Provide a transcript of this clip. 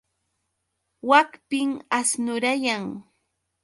Wakpim asnurayan.